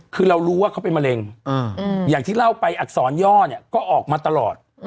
คือเรารู้ว่าเขาเป็นมะเร็งอย่างที่เล่าไปอักษรย่อเนี่ยก็ออกมาตลอด